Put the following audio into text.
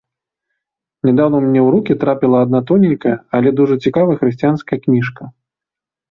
Нядаўна мне ў рукі трапіла адна тоненькая, але дужа цікавая хрысціянская кніжка.